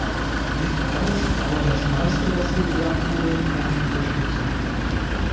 Nicht alles, aber das meiste, was hier gesagt wurde, kann ich unterstützen.